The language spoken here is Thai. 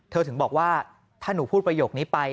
ถึงบอกว่าถ้าหนูพูดประโยคนี้ไป